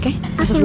aku mau pergi